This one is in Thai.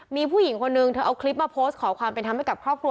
มีผู้หญิงคนนึงเธอเอาคลิปมาโพสต์ขอความเป็นธรรมให้กับครอบครัว